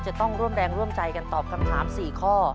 จะต้องร่วมแรงร่วมใจกันตอบคำถาม๔ข้อ